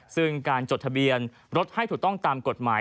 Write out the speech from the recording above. ซึ่งการจดทะเบียนรถให้ถูกต้องตามกฎหมาย